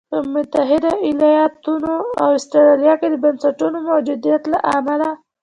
په متحده ایالتونو او اسټرالیا کې د بنسټونو موجودیت له امله.